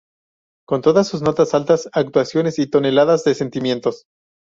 Con todas sus notas altas, actuaciones y toneladas de sentimientos.